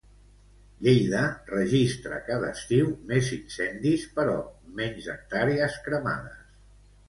Lleida registra cada estiu més incendis però menys hectàrees cremades.